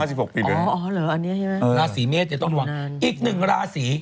อีกหนึ่งลาศรี